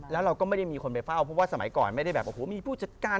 แล้วเราก็ไม่ได้มีคนไปเฝ้าเพราะว่าสมัยก่อนไม่ได้แบบโอ้โหมีผู้จัดการ